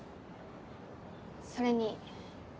それに。